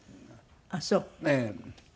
ああそう。